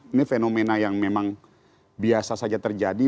ini fenomena yang memang biasa saja terjadi